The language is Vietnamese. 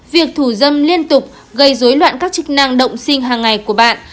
việc thủ dâm liên tục gây dối loạn các chức năng động sinh hàng ngày của bạn